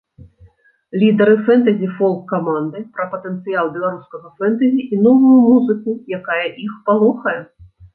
Лідары фэнтэзі-фолк-каманды пра патэнцыял беларускага фэнтэзі і новую музыку, якая іх палохае.